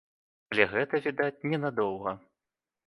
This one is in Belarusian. Але гэта, відаць, ненадоўга.